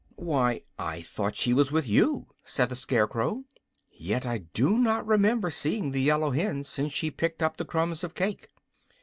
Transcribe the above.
"Why, I thought she was with you," said the Scarecrow. "Yet I do not remember seeing the yellow hen since she picked up the crumbs of cake."